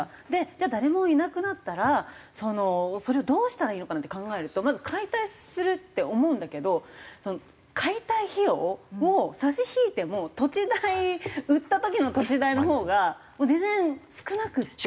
じゃあ誰もいなくなったらそのそれをどうしたらいいのかなって考えるとまず解体するって思うんだけど解体費用を差し引いても土地代売った時の土地代のほうがもう全然少なくって。